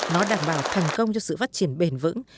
nó đảm bảo thành công cho sự phát triển bền vững